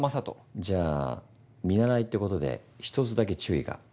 じゃあ見習いってことで１つだけ注意が。